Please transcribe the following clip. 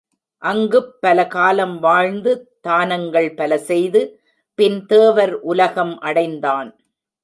அங்குப் பல காலம் வாழ்ந்து தானங்கள் பல செய்து பின் தேவர் உலகம் அடைந்தான்.